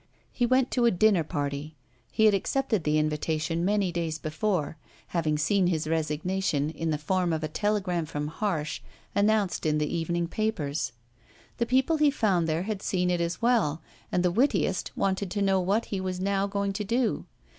He went to a dinner party he had accepted the invitation many days before having seen his resignation, in the form of a telegram from Harsh, announced in the evening papers. The people he found there had seen it as well, and the wittiest wanted to know what he was now going to do.